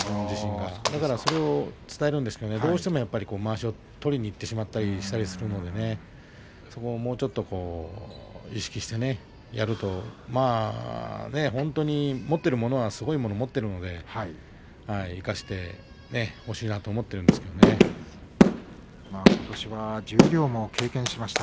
ですからそれを伝えるんですけれどどうしてもまわしを取りにいったりしてしまうのでそこをもうちょっと意識してやると本当に持っているものはすごいものを持っているので生かしてほしいなとことしは十両も経験しました。